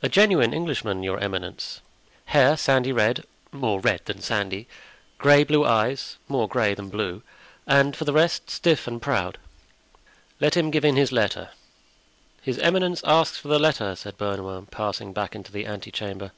"A genuine Englishman, your eminence. Hair sandy red—more red than sandy; gray blue eyes—more gray than blue; and for the rest, stiff and proud." "Let him give in his letter." "His eminence asks for the letter," said Bernouin, passing back into the ante chamber.